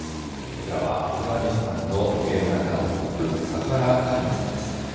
こちらはアフガニスタンの映画監督、サハラ・カリミさんです。